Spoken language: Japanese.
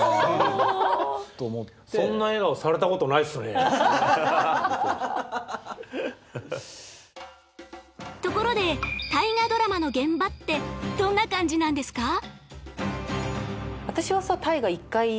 っていうよりところで「大河ドラマ」の現場ってどんな感じなんですか？